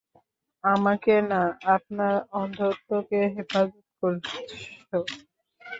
আমাকে না, আমার অন্ধত্ব কে হেফাজত করছ।